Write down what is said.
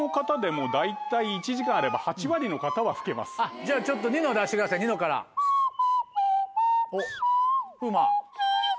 じゃあちょっとニノ出してくださいニノから。風磨。